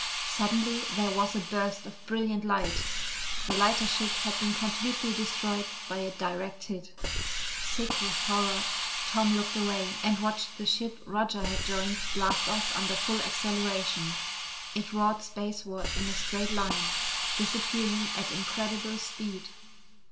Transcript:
Suddenly there was a burst of brilliant light. The lighter ship had been completely destroyed by a direct hit. Sick with horror, Tom looked away and watched the ship Roger had joined blast off under full acceleration. It roared spaceward in a straight line, disappearing at incredible speed.